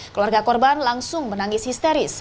keluarga korban langsung menangis histeris